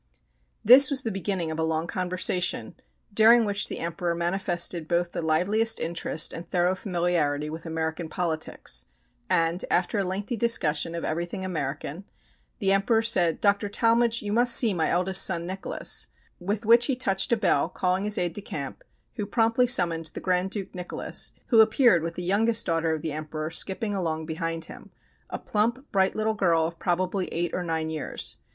This was the beginning of a long conversation during which the Emperor manifested both the liveliest interest and thorough familiarity with American politics, and, after a lengthy discussion of everything American, the Emperor said, "Dr. Talmage, you must see my eldest son, Nicholas," with which he touched a bell, calling his aide de camp, who promptly summoned the Grand Duke Nicholas, who appeared with the youngest daughter of the Emperor skipping along behind him a plump, bright little girl of probably eight or nine years.